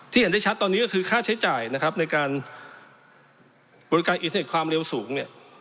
เห็นได้ชัดตอนนี้ก็คือค่าใช้จ่ายนะครับในการบริการอินเทอร์เน็ตความเร็วสูงเนี่ย